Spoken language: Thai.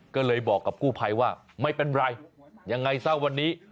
ก็เลยบอกกับกู้ภัยว่าไม่เป็นไรยังไงซะวันนี้